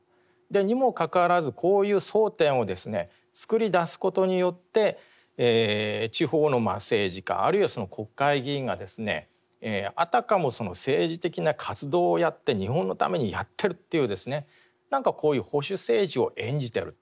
にもかかわらずこういう争点をですね作りだすことによって地方の政治家あるいは国会議員があたかもその政治的な活動をやって日本のためにやってるっていう何かこういう保守政治を演じてると。